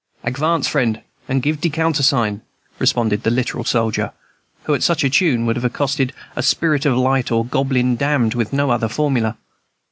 "Ac vance, friend, and give de countersign," responded the literal soldier, who at such a tune would have accosted: a spirit of light or goblin damned with no other formula.